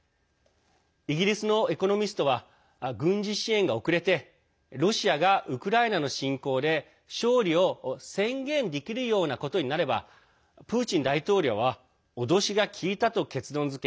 イギリスのエコノミストは軍事支援が遅れてロシアが、ウクライナの侵攻で勝利を宣言できるようなことになればプーチン大統領は脅しが効いたと結論づけ